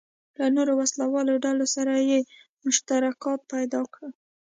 له نورو وسله والو ډلو سره یې مشترکات پیدا کړل.